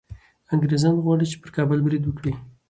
انګریزان غواړي چي پر کابل برید وکړي.